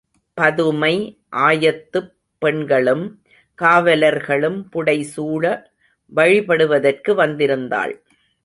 பதுமை ஆயத்துப் பெண்களும் காவலர்களும் புடைசூழ வழிபடுவதற்கு வந்திருந்தாள்.